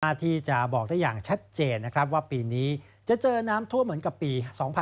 น่าที่จะบอกได้อย่างชัดเจนว่าปีนี้จะเจอน้ำทั่วเหมือนกับปี๒๕๕๔